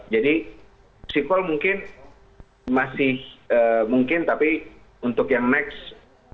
jadi sequel mungkin masih mungkin tapi untuk yang next belum